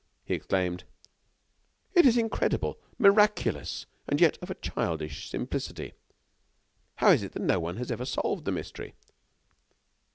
He exclaimed: "It is incredible, miraculous, and yet of a childish simplicity! How is it that no one has ever solved the mystery?"